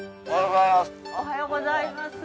おはようございます。